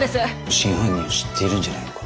真犯人を知っているんじゃないのか？